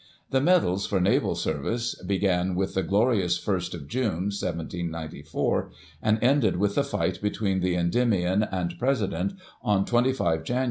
The medals for naval service began with the "Glorious First of June," 1794, and ended with the fight between the Endymion and President on 25 Jan.